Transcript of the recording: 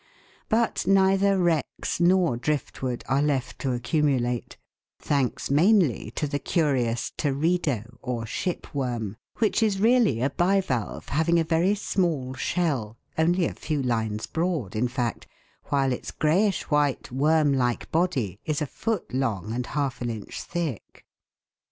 But neither wrecks nor drift wood are left to accumulate, thanks mainly to the curious teredo or " ship worm," which is really a bivalve having a very small shell, only a few lines broad in fact, while its greyish white worm like body is a foot long and half an inch thick.